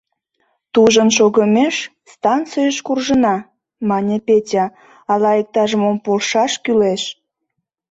— Тужын шогымеш, станцийыш куржына, — мане Петя, — ала иктаж мом полшаш кӱлеш...